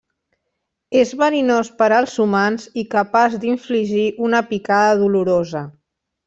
És verinós per als humans i capaç d'infligir una picada dolorosa.